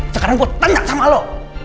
sekarang gua tanya sama lu